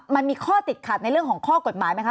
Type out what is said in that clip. มันมีข้อติดขัดในเรื่องของข้อกฎหมายไหมคะ